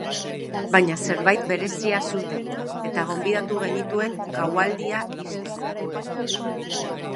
Baina zerbait berezia zuten, eta gonbidatu genituen gaualdia ixteko.